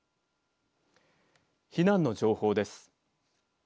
避難の情報です。